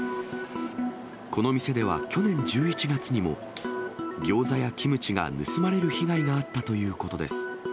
この店では去年１１月にも、ギョーザやキムチが盗まれる被害があったということです。